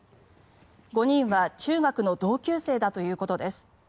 ５人は中学の同級生だということです。